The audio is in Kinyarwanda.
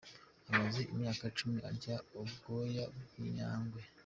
Amaze imyaka icumi arya ubwoya bw’injagwe